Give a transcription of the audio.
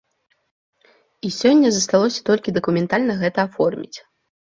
І сёння засталося толькі дакументальна гэта аформіць.